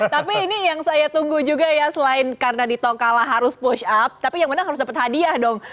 tapi ini yang saya tunggu juga ya selain karena di tongkala harus push up tapi yang menang harus dapat hadiah dong